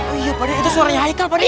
oh iya pak dia itu suaranya haikal pak dia